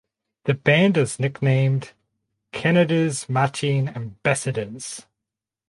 The band is nicknamed "Canada’s Marching Ambassadors".